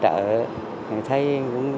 trong thời điểm dịch bệnh